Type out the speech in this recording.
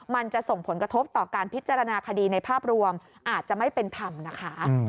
มันจะส่งผลกระทบต่อการพิจารณาคดีในภาพรวมอาจจะไม่เป็นธรรมนะคะ